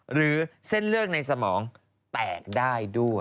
หรือเส้นเลือดในสมองแตกได้ด้วย